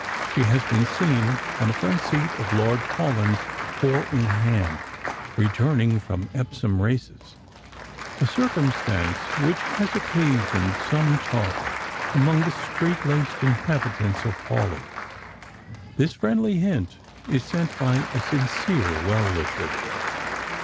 She has laeen seen on the front seat of Lord Paulyu's four in hand, returning from Epsom races : a circumstance which has occasioned some talk among the strait laced inhabitants of Hawleigh. This friendly hint is sent by a sincere well wisher.